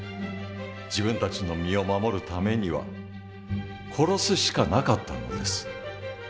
自分たちの身を守るためには殺すしかなかったのです。